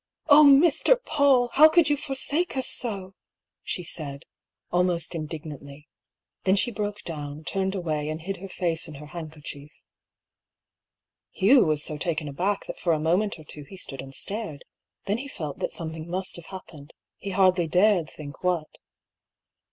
" Oh, Mr. Paull ! How could you forsake us so ?" she said, almost indignantly. Then she broke down, turned away, and hid her face in her handkerchief. Hugh was so taken aback that for a moment or two he stood and stared. Then he felt that something must have happened — ^he hardly dared think what.